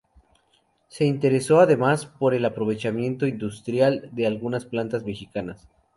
Se interesó además por el aprovechamiento industrial de algunas plantas mexicanas.